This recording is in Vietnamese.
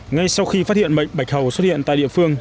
ngay sau khi phát hiện bệnh bạch hầu xuất hiện tại địa phương